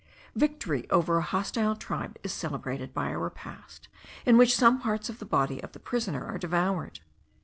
Victory over a hostile tribe is celebrated by a repast, in which some parts of the body of a prisoner are devoured.